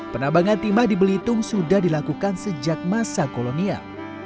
penambangan timah di belitung sudah dilakukan sejak masa kolonial